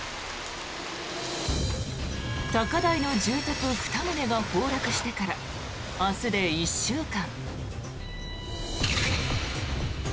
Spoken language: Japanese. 高台の住宅２棟が崩落してから明日で１週間。